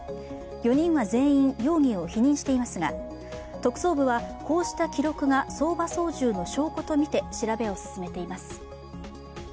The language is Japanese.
４人は全員、容疑を否認していますが、特捜部はこうした記録が相場操縦の証拠とみて調べを進めています。